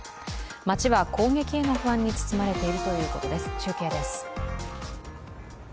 街は攻撃への不安に包まれているということです、中継です。